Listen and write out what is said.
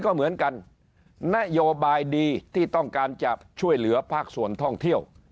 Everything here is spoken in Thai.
ก็เหมือนกันนโยบายดีที่ต้องการจะช่วยเหลือภาคส่วนท่องเที่ยว